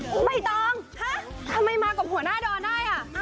ไม่ต้องทำไมมากับหัวหน้าดอนได้